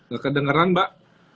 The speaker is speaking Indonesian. gak kedengaran mbak